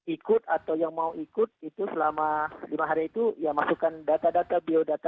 ikut atau yang mau ikut itu selama lima hari itu ya masukkan data data biodata